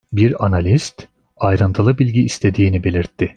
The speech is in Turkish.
Bir analist, ayrıntılı bilgi istediğini belirtti.